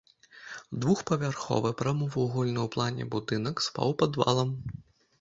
Двухпавярховы прамавугольны ў плане будынак з паўпадвалам.